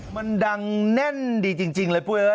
มันดังแน่นดีจริงเลยปุ้ย